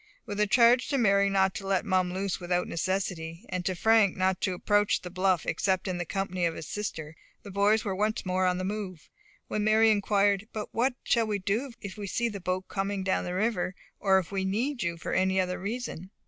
With a charge to Mary not to let Mum loose without necessity, and to Frank not to approach the bluff except in the company of his sister, the boys were once more on the move, when Mary inquired, "But what shall we do if we see the boat coming down the river, or if we need you for any other reason?"